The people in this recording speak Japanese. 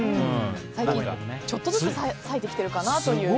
最近ちょっとずつ咲いてきてるかなという。